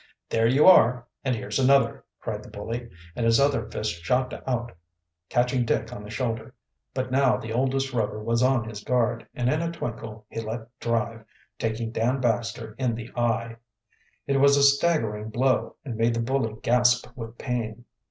"There you are, and here's another!" cried the bully, and his other fist shot out, catching Dick on the shoulder. But now the oldest Rover was on his guard, and in a twinkle he let drive, taking Dan Baxter in the eye. It was a staggering blow, and made the bully gasp with pain.